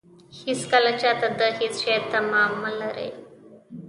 هېڅکله چاته د هېڅ شي تمه مه لرئ.